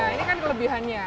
nah ini kan kelebihannya